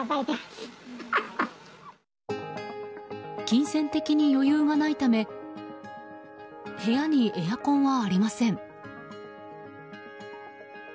金銭的に余裕がないため部屋にエアコンはありません。